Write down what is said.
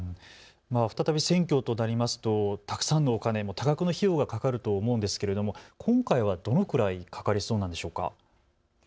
再び選挙となりますとたくさんのお金、多額の費用がかかると思うんですけれども今回はどのくらいかかりそうなんでしょうか。